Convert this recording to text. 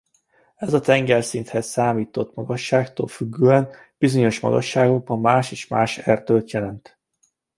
Ez a tengerszinthez számított magasságtól függően bizonyos magasságokban más és más erdőt jelent.